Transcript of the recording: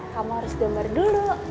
kamu harus gemar dulu